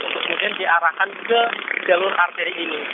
untuk kemudian diarahkan ke jalur arteri ini